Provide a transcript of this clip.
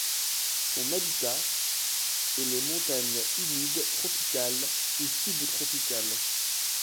Son habitat est les montagnes humides tropicales ou subtropicales.